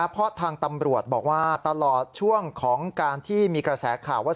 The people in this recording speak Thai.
เพราะทางตำรวจบอกว่าตลอดช่วงของการที่มีกระแสข่าวว่า